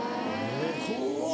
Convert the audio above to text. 怖っ。